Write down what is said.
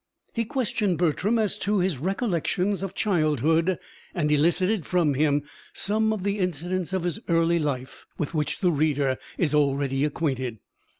He questioned Bertram as to his recollections of childhood, and elicited from him some of the incidents of his early life, with which the reader is already acquainted.